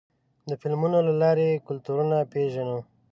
د فلمونو له لارې کلتورونه پېژنو.